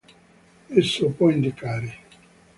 Esso può indicare